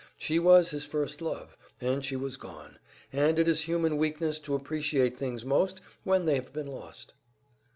She was his first love, and she was gone, and it is human weakness to appreciate things most when they have been lost.